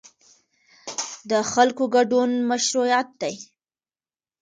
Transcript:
د خلکو ګډون مشروعیت دی